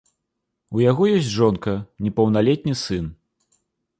У яго ёсць жонка, непаўналетні сын.